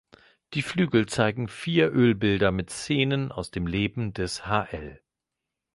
Die Flügel zeigen vier Ölbilder mit Szenen aus dem Leben des hl.